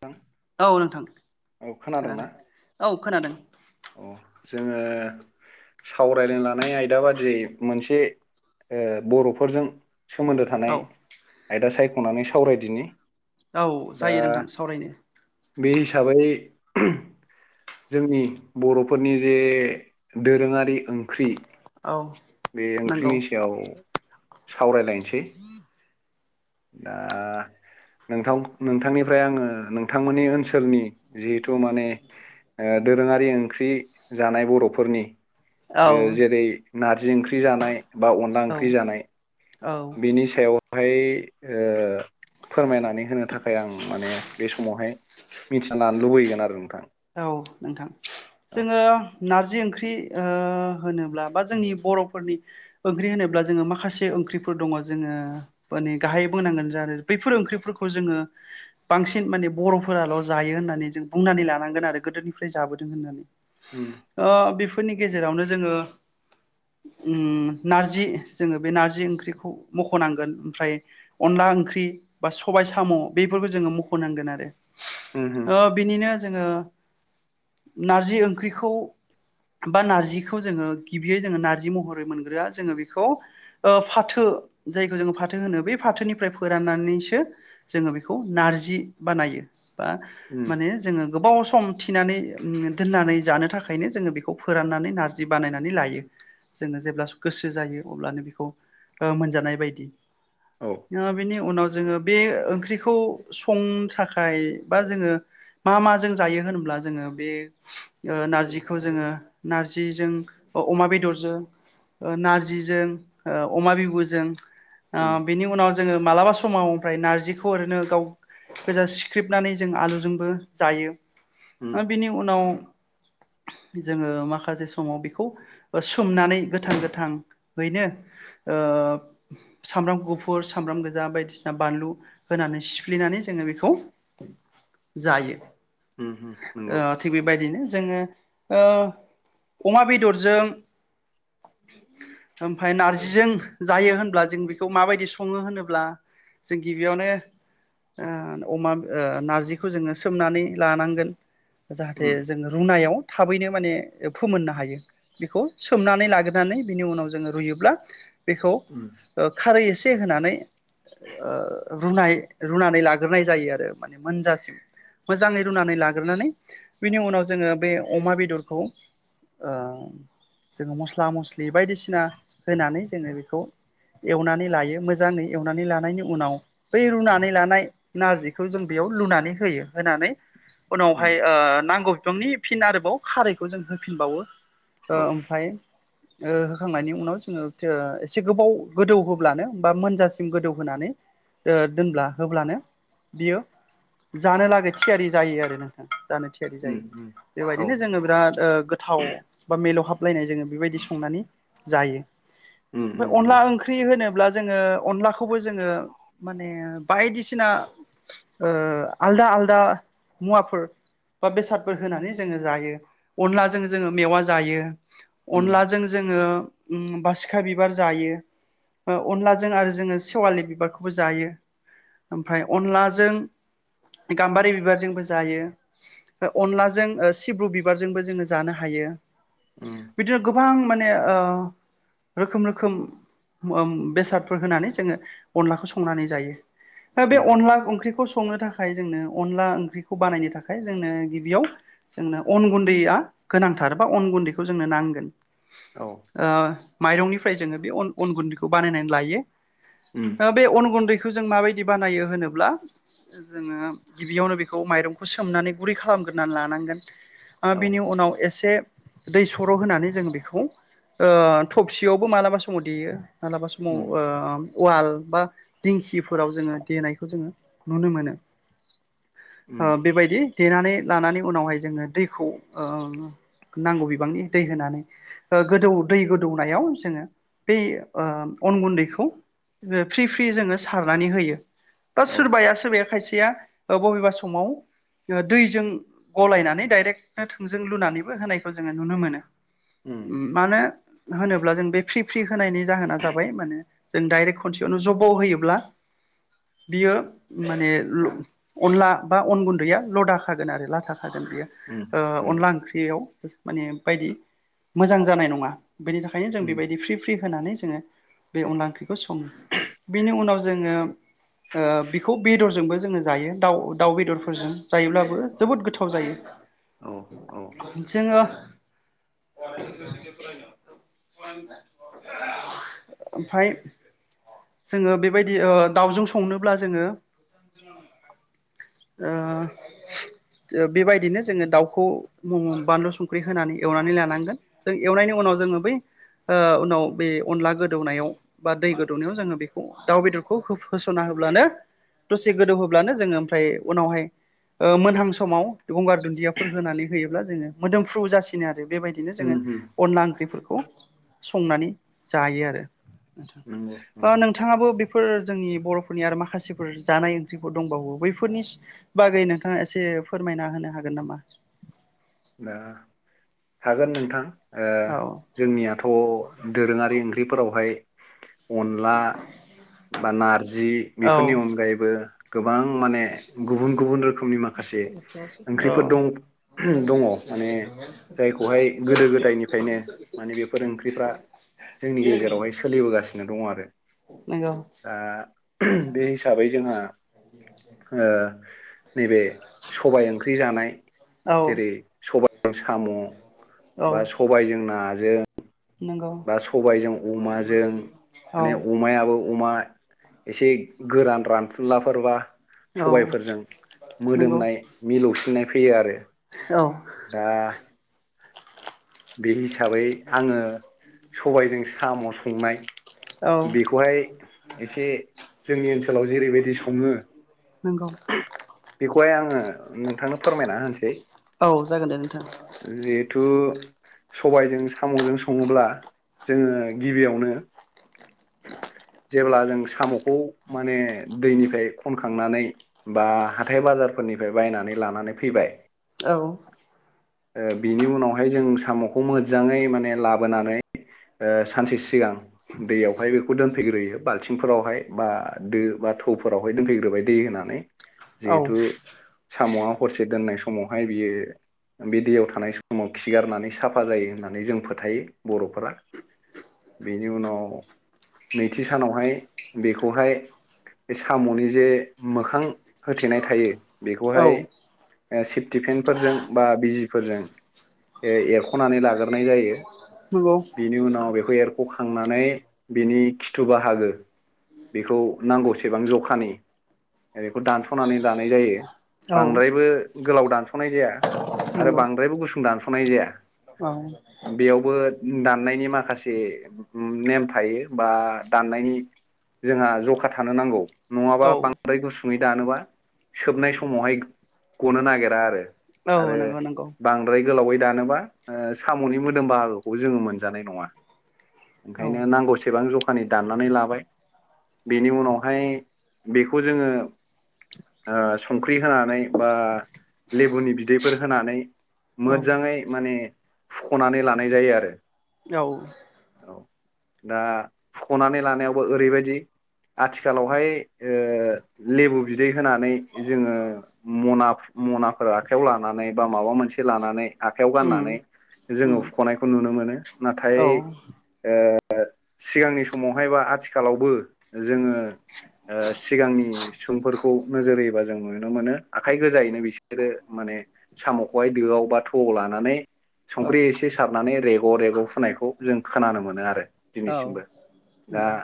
थां औ नोंथां खोनादों औ खोनादों अ जोङो सावरायलाय लानाय आयदा बादियै मोनसे ओ बर'फोरजों सोमोन्दो थानाय औ आयदा सायख'नानै सावरायदिनि औ दा जायो नोंथां सावरायनो बे हिसाबै जोंनि बर'फोरनि जे दोरोङारि ओंख्रि औ बे नंगौ ओंख्रिनि सायाव सावरायलायनो [inaudible] दा नोंथां नोंथांनिफ्राय आङो नोंथांमोननि ओनसोलनि जिहेथु माने ओ दोरोङारि ओंख्रि जानाय बर'फोरनि औ बे जेरै नारजि ओंख्रि जानाय बा अनला ओंख्रि जानाय औ औ बिनि सायावहाय ओ फोरमायनानै होनो थाखाय आं माने बे समावहाय मिथिना लानो लुबैगोन आरो नोंथां औ नोंथां औ जोङो नारजि ओंख्रि ओ होनोब्ला बा जोंनि बर'फोरनि ओंख्रि होनोब्ला जोङो माखासे ओंख्रिफोर दं जोंङो बोनि गाहाय बो होननांगोन बैफोर ओंख्रि फोरखौ बांसिन माने बर'फोराल' जायो होननानै जों बुंनानै ला नांगोन आरो गोदोनिफ्राय जाबोदों होननानै उम ओ बेफोरनि गेजेरावनो जोङो उम नार्जि जोङो बे नार्जि ओंख्रिखौ मख'नांगोन ओमफ्राय अनला ला ओंख्रि बा सबबाय स'म बेफोरखौ जोङो मखनांगोन आरो उम उम ओ बिनिनो जोङो नारजिओंख्रिखौ बा नार्जिखौ जोङो गिबियै जोङो नार्जि महरै मोनग्रोआ जोङो बेखौ ओ फाथो जायखौ जोङो फाथो होनो बे फाथोनिफ्राय फोराननानैसो जोङो बेखौ नार्जि बानायो । बा उम माने जोङो गोबाव सम थिनानै उम दोननानै जानो थाखायनो जोङो बेखौ फोराननानै नार्जि बानायनानै लायो । जोङो जेब्ला गोसो जायो अब्लानो बेखौ ओ मोनजानाय बायदि औ ओ‌ बि उनाव जोङो बे ओंख्रिखौ सं थाखाय बा जोङो मा मा ज जों जाङोहोनब्ला बे नार्जिखौ जोङो नार्जिजों अमा बेद दरजों ओ नार्जिजों ओ अमा बिबुजों ओ उम बिनि उनाव जोङो मालाबा स समाव ओमफ्राय नार्जिखौ ओरैनो गाव गोजा सिख्रेबनानै जों आलुजोंबो जायो । उम उम ओ बिनि उनाव [inaudible] जोङो माखासे समाव बेखौ सोमनानै गोथां गोथाङैनो ओ ओ सामब्राम गुफुर सामब्राम गोजा बायदिसिना बानलु होनानै सिफ्ललिनानै जोङो बेखौ [inaudible] जायो उम नंगौ ओ थिग बेबायदिनो जोङो ओ अमा बेदरजों ओमफाय नार्जिजों जायो होनब्ला जों बेखौ माबायदि सङो होनोब्ला जों गिबियावनो ओ अमाब ओ नार्जिखौ जोङो सोमनानै लानांगोन जाहाथे उम जों रुनायाव थाबैनो माने फोमोननो हायो बेखौ सोमनानै लाग्रोनानै बिनि उनाव जोङो रुयोब्ला बेखौ उम ओ खारै एसे होनानै ओ‌ रुनाय रुनानै लाग्रोनाय जायो आरो माने मोनजासिम मोजाङै रुनानै लाग्रोनानै बिनि उनाव जोङो बे अमा बेदरखौ ओ‌ जोङो मस्ला मस्लि बायदिसिना होनानै जोङो बेखौ एवनानै लायो मोजाङै एवनानै लानायनि उनाव बै रुनानै लानाय नारजिखौ जों बेयाव लुनानै होयो होनानै उम उनावहाय ओ नांगौ बिफांनि फिन आरोबाव खारैखौ जों होफिनबावो ओ औ ओमफाय ओ होखांनायनि उनाव जोङो जो‌ एसे गोबाव गोदौ होब्लानो बा मोनजासिम गोदौहोनानै ओ दोनब्ला होब्लानो बियो जानो लागै थिखारि जायो आरो नोंथां जानो थियारि उम जायो उम औ बेबायदिनो जोङो बिराद ओ गोथाव बा मिलौहाब हाबलायनाय जोङो बेबायदि संनानै जायो । उम उम उम ओंख्रि होनोब्ला जोङो अनलाखौबो जोङो माने बायदिसिना ओ आलदा आलदा मुवाफोर बा बेसादफोर होनानै जोङो जायो अनलाजों जोङो मेवा जायो । उम अनलाजों जोङो उम बासिखा बिबार जायो । ओ अनलाजों आरो जोङो सेवालि बिबारखौबो जायो । ओमफाय अनलाजों गाम्बारि बिबारजों जायो अनलाजों ओ सिब्रु बिबारजोंबो जोङो जानो हायो उम । बिदिनो गोबां माने ओ रोखोम रोखोम उम बेसादफोर होनानै जोङो अनलाखौ संनानै जायो । ओ बे उम अनला ओंख्रिखौ संनो थाखाय जोंनो अनला ओंख्रि खौ बानायनो थाखाय जोंनो गिबियाव जोंनो अन गुन्दैया गोनांथार बा अन गुन्दैखौ जोंनो नांगोन । औ ओ माइरंनिफ्राय जोङो बे अन अन गुन्दैखौ बानायनानै लायो उम । बे अन गुन्दैखौ जों माबायदि बानायो होनोब्ला जोङो गिबियावनो बेखौ बे माइरंखौ सोमनानै गुरै खालामगोरोनानै लानांगोन औ बेनि उनाव एसे दै सर' होनानै जों बेखौ थबसियावबो मालाबा समाव देयो मालाबा स माव उम वाल बा दिंखिफोराव जोङो देनायखौ जोङो नुनो मोनो उम बेबायदि देनानै लानानै उनावहाय जोङो दैखौ नांगौ बिबांनि दै होनानै गोदौ दै गोदौनायाव जोङो अन गुन्दैखौ फ्रि फ्रि जोङो सारनानै होयो । बा औ सोरबाया सोरबाया खायसेया बबेबा समाव दैजों गलायनानै डाइरेक्ट थोंजों लुनानैबो होनायखौ जोङो नुनो मोनो । मानो होनोब्ला जों बे फ्रि फ्रि होनायनि जाहोना जाबाय माने जों दडाइरेक्ट खनसेयावनो जबाव होयोब्ला बियो माने अनला बा अन गुन्दैया लदाखागोन आरो ला थाखागोन हागोन उम उम बेयो नंगौ अनला ओंख्रियाव माने बायदि मोजां जानाय नङा । बेनि थाखायनो जों उम बेबायदि फ्रि फ्रि होनानै ज जोङो बे अनला ओंख्रिखौ सङो बेनि उनाव जोङो ओ बेखौ बेदरजोंबो जोङो जायो । दाउ दाउ बेदरफोरजों जायोब्लाबो जोबोद गोथाव जायो औ औ । जोङो ओमफाय। जोङो बेबायदि दाउजों संनोब्ला जोङो आ। बेबायदिनो जोङो दाउखौ बानलु संख्रि होनानै एवनानै लानांगोन जों एवनायनि उनाव ज ब उनाव बे अ गोदौनाय बा दैदौनाय जोङो बेखौ दाउ बेदरखौ होस'ना होब्लानो दसे गोदौ होब्लानो जोङो ओमफ्राय उनावहाय मोनहां समाव गंगार दुन्दियाफोर होनानै होयोब्ला जोङो मोदोमफ्रु जासिनो आरो बेबायदिनो जोङो उम उम अनला ओंख्रिफोरखौ संनानै जायो आरो नंगौ नंगौ। बिथाङाबो बेफोर जोंनि बर'फोरनि आरो माखासेफोर जानाय ओंख्रिफोर दंबावो बैफोरनि बागैनो नोंथाङा एसे फोरमायना होनो हागोन नामा? [inaudible] दा हागोन नोंथां औ जोंनियाथ' दोरोङारि ओंख्रिफोरावहाय अनला बा नारजि बेफोरनि औ अनगायैबो गोबां माने गुबुन गुबुन रोखोमनि माखासे ओंख्रिफोर औ दं दङ माने जायखौहाय गोदो गोदायनिफ्रायनो माने बेफोर ओंख्रिफ्रा जोंनि गेजेरावहाय सोलिबोगासिनो दं आरो नंगौ। दा बे हिसाबै जोंहा नैबे सबाय ओंख्रि जानाय औ जेरै सबायजों साम' बा औ सबायजों नाजों नंगौ बा सबायजों अमाजों औ माने अमायाबो अमा एसे गोरान रानथुलाफोरबा औ सबायफोरजों नंगौ मोदोमनाय मिलौसिननाय फैयो आरो औ। दा बे हिसाबै आङो। सबायजों साम' संनाय औ बेखौहाय एसे जोंनि ओनसोल नोलाव जेरैबायदि सङो। नंगौ बेखौहाय आङो नोंथांनो फोरमायना होनोसै। औ जागोन दे नोंथां। थु सबबायजों साम'जों सङोब्ला जोङो गिबियावनो जेब्ला जों साम'खौ माने दैनिफ्राय खनखांनानै बा हाथाय बाजार फोरनिफ्राय बायनानै लानानै फैबाय औ। ओ बिनि उनावहाय जों साम'खौ मोजाङै माने लाबोनानै ओ सानसे सिगां दैयावहाय बेखौ दोनफैग्रोयो बाल्थिंफोरावहाय बा दो बा थौफोरावराय दोनफैग्रोबाय दै होनानै औ जेहेथु साम'याव हरसे दोननाय समावहाय बियो बे दैयाव थानाय समाव खिगारनानै साफा जायो होननानै जों फोथायो बर'फोरा बेनि उनाव नैथि सानावहाय बेखौहाय बे साम'नि जे मोखां होथेनाय थायो औ बेखौहाय सेफटि फेनफोरजों बा बिजिफोरजों ए एरख' खनानै लाग्राय जायो नंगौ बेनि उनाव बे एरख' खांनानै बिनि खिथु बाहागो बेखौ नांगौसेबां जखानि ओ बेखौ दानस'नानै लानाय जायो। औ बांद्रायबो गोलाव दानस'नाय जाया आरो नंगौ बांद्रायबो गुसुं दानस'नाय जाया। बेयावबो औ दाननायनि माखासे नेम थायो बा दाननायनि जोंहा जखा थानो नांगौ। नङाबा बांद्राय गुसुङै दानोबा सोबनाय समावहाय गनो नागिरा आरो औ आरो नंगौ बांद्राय गोलावै दानोबा ओ साम'नि मोदोम बाहागोखौ जोङो मोनजानाय नङा औ ओंखायनो नांगौसेबां जख फानि दाननानै लाबाय बेनि उनावहाय बेखौ जोङो ओ संख्रि होनानै बा लेबुनि बिदैफोर होनानै औ मोजाङै माने फुख'नानै लानाय जायो आरो औ औ दा फुख'नानै लानायावबो ओरैबायदि आथिखालावहाय ओ लेबु बिदै होनानै जोङो म'ना म'नाफोर आखायाव लानानै बा माबा मोनसे लानानै आखाइयाव उम गाननानै जोङो उम सुख'नायखौ नुनो मोनो नाथाय औ ओ सिगांनि समावहाय बा आथिखालावबो जोङो ओ सिगांनि सुबुंफोरखौ नोजोर होयोबा जों नुनो मोनो आखाइ गोजायैनो बिसोरो म साम'खौहाय दोआव बा थौआव लानानै औ संख्रि एसे सारनानै रेग' रेग' फुनायखौ जों खोनानो मोनो आरो दिनैसिमबो दा हेलौ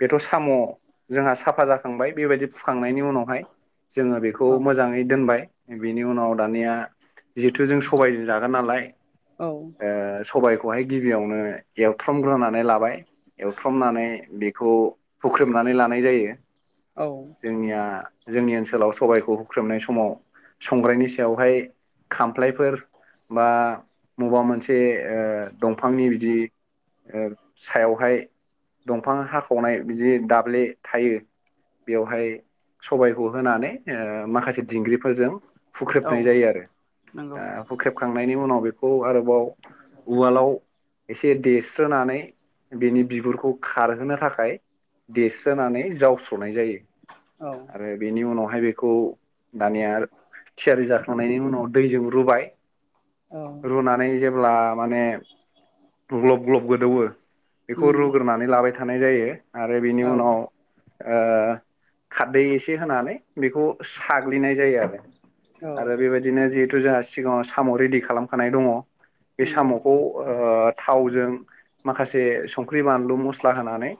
बेथ' साम' जोंहा साफा जाखांबाय बेबायदि फुखांनायनि उनावहाय जोङो बेखौ औ मोजाङै दोनबाय बिनि उनाव दानिया जिहेथु जों सबायजों जागोन नालाय औ ओ सबायखौहाय गिबियावनो एवथ्रमग्रोनानै लाबाय एवथ्रमनानै बेखौ हुख्रेमनानै लानाय जायो औ जोंनिया जोंनि ओनसोलाव सबायखौ हुख्रेमनाय समाव संग्रायनि सायावहाय खामफ्लायफोर बा मबबा मोनसे ओ दंफांनि बिदि ओ सायावहाय दंफां हाखावनाय बिदि दाब्ले थायो बेवहाय सबायखौ होनानै ओ माखासे दिंग्रिफोरजों औ हुख्रेबनाय जायो आरो नंगौ दा हुख्रेबखांनायनि उनाव बेखौ आरोबाव उवालाव एसे देस्रोनानै बेनि बिगुरखौ खारहोनो थाखाय देरस्रोनानै जावस्र'नाय जायो औ आरो बेनि उनावहाय बेखौ दानियार थियारि जाखांनायनि उनाव दैजों रुबाय औ। रुनानै जेब्ला माने ग्लब ग्लब गोदौवो बेखौ उम रुग्रोनानै लाबाय थानाय जायो आरो बेनि औ उनाव ओ खारदै एसे होनानै बेखौ साग्लिनाय जायो आरो। औ आरो बेबायदिनो जिहेतु जोंहा सिगाङाव साम' रेडि खालामखानाय दङ बे नंगौ साम'खौ ओ थावजों माखासे संख्रि बानलु मस्ला होनानै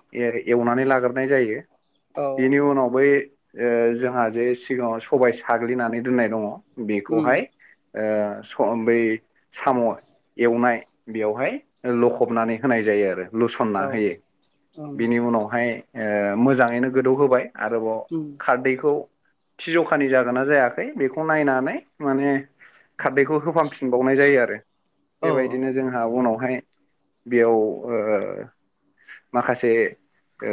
औ बिनि उनाव बै ओ जोंहा जे सिगाङाव सबाय साग्लिनानै दोननाय दङ उम बेखौहाय ओ सम बै साम' एवनाय बेवहाय लखबनानै होनाय जायो आरो लुसनना औ होयो उम बिनि उनावहाय ओ मोजाङैनो गोदौ होबाय आरोबाव उम खारदैखौ थिजखानि जागोना जायाखै बेखौ नायनानै माने खारदैखौ होफामफिन बावनाय जायो आरो औ बेबायदिनो जोंहा उनावहाय बेयाव ओ माखासे ओ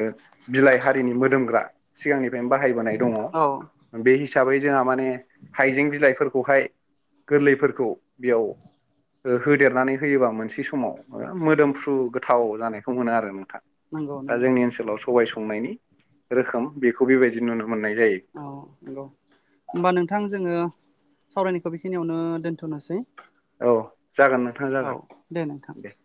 बिलाइ हारिनि मोदोमग्रा सिगांनिफ्रायनो बाहायबोनाय दङ औ बे हिसाबै जोंहा माने हाइजें बिलाइफोरखौहाय गोरलैफोरखौ बियाव होहोदेरनानै होयोबा मोनसे समाव मोदोमफ्रु गोथाव जानायखौ मोनो आरो नोंथां। नंगौ दा नंगौ जोंनि ओनसोलाव सबाय संनायनि रोखोम बेखौ बेबायदि नुनो मोननाय जायो औ नंगौ होमबा नोंथां जोङो सावरायनायखौ बेखिनियावनो दोन्थ'नोसै औ जागोन नोंथाङा जागोन दे नोंथां दे।